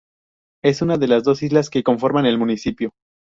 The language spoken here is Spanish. Es una de las dos islas que conforman el municipio.